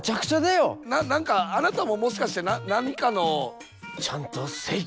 な何かあなたももしかして何かの。ちゃんとせい。